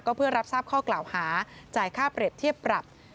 เพื่อรับทราบข้อกล่าวหาจ่ายค่าเปรียบเทียบปรับ